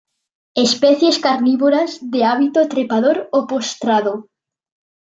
Especies carnívoras, de hábito trepador o postrado.